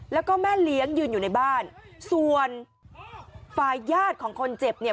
แล้วก็แม่เลี้ยงยืนอยู่ในบ้านส่วนฝ่ายญาติของคนเจ็บเนี่ย